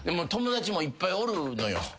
友達もいっぱいおるのよ。